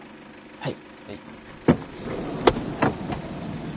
はい。